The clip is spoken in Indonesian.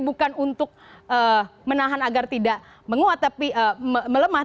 bukan untuk menahan agar tidak melemah